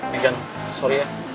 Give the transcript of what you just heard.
megan sorry ya